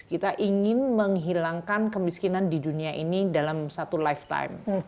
kita ingin menghilangkan kemiskinan di dunia ini dalam satu lifetime